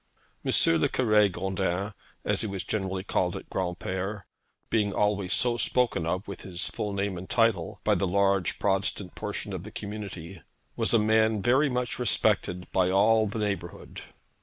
M. le Cure Gondin, as he was generally called at Granpere, being always so spoken of, with his full name and title, by the large Protestant portion of the community, was a man very much respected by all the neighbourhood.